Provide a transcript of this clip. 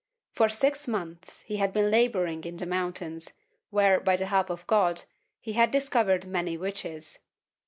For six months he had been laboring in the moun tains, where, by the help of God, he had discovered many witches.